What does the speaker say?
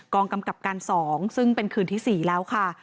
กำกับการ๒ซึ่งเป็นคืนที่๔แล้วค่ะ